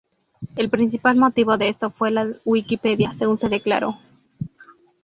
El principal motivo de esto fue la Wikipedia, según se declaró.